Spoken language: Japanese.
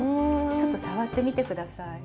ちょっと触ってみて下さい。